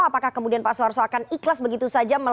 apakah kemudian pak soeharto akan ikhlas begitu saja